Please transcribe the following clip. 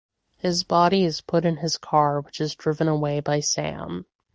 His body is put in his car which is driven away by Sam.